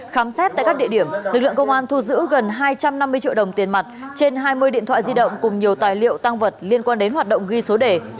khám xét tại các địa điểm lực lượng công an thu giữ gần hai trăm năm mươi triệu đồng tiền mặt trên hai mươi điện thoại di động cùng nhiều tài liệu tăng vật liên quan đến hoạt động ghi số đề